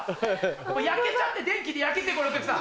もう焼けちゃって電気で焼けてこれお客さん。